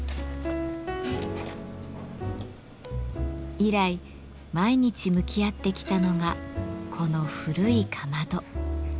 以来毎日向き合ってきたのがこの古いかまど。